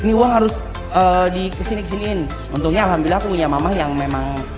ini uang harus di kesini kesiniin untungnya alhamdulillah aku punya mama yang memang